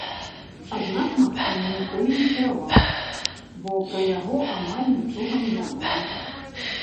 Аднак, магчыма, ніколі не кіраваў, бо пра яго амаль нічога невядома.